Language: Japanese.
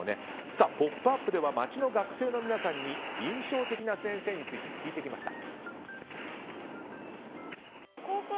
「ポップＵＰ！」では街の学生の皆さんに印象的な先生について聞いてきました。